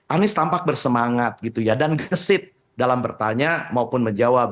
anies tampak bersemangat gitu ya dan gesit dalam bertanya maupun menjawab